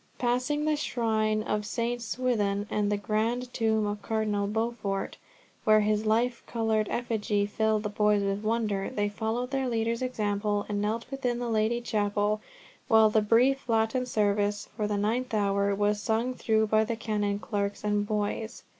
Passing the shrine of St. Swithun, and the grand tomb of Cardinal Beaufort, where his life coloured effigy filled the boys with wonder, they followed their leader's example, and knelt within the Lady Chapel, while the brief Latin service for the ninth hour was sung through by the canon, clerks, and boys.